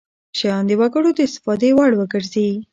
شیان د وګړو د استفادې وړ وګرځي.